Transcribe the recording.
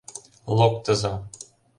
Локтызо!